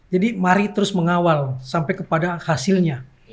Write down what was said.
jadi mari terus mengawal sampai kepada hasilnya